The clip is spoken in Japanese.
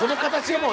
もう